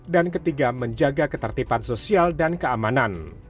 dan ketiga menjaga ketertiban sosial dan keamanan